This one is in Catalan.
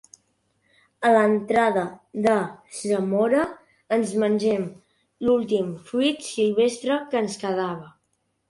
A l'entrada de Zamora ens mengem l'últim fruit silvestre que ens quedava.